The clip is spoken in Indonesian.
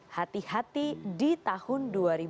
hati hati di tahun dua ribu dua puluh